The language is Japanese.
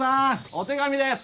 お手紙です！